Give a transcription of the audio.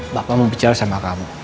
bapak mau bicara sama kamu